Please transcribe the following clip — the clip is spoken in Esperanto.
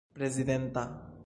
prezidenta